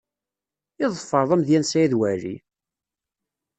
I tḍefreḍ amedya n Saɛid Waɛli?